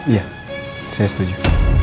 iya saya setuju